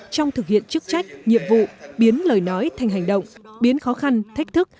trong thực hiện chức trách nhiệm vụ biến lời nói thành hành động biến khó khăn thách thức